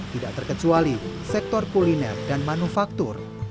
tidak terkecuali sektor kuliner dan manufaktur